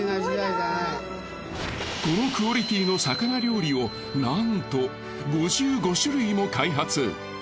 このクオリティーの魚料理をなんと５５種類も開発。